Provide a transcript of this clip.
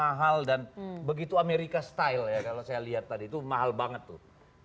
mahal dan begitu amerika style ya kalau saya lihat tadi itu mahal banget tuh